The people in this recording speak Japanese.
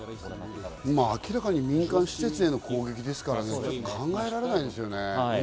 明らかにに民間施設への攻撃ですからね、考えられないですよね。